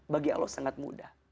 bagi allah sangat mudah